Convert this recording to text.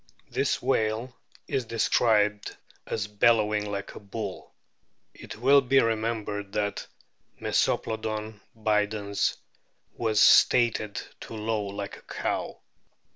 This whale is described as bellowing like a bull. It will be remembered that Mesoplodon bidens was stated to low like a cow.